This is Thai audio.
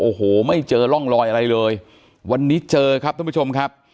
โอ้โหไม่เจอร่องรอยอะไรเลยวันนี้เจอครับท่านผู้ชมครับ